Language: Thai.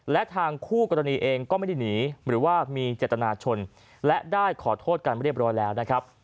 และทางคู่กรณีเองก็ไม่ได้หนีหรือว่ามีเจตนาชนและได้ขอโทษกันเรียบร้อยแล้วนะครับ